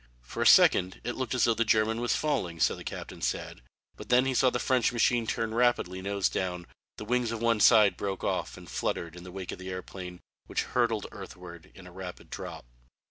For a second it looked as though the German was falling, so the captain said, but then he saw the French machine turn rapidly nose down, the wings of one side broke off and fluttered in the wake of the airplane, which hurtled earthward in a rapid drop.